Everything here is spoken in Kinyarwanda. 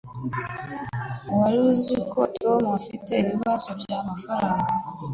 Wari uzi ko Tom afite ibibazo byamafaranga?